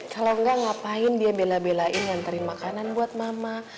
kalau enggak ngapain dia bela belain nganterin makanan buat mama